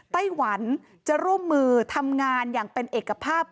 ไต้หวันจะร่วมมือทำงานอย่างเป็นเอกภาพ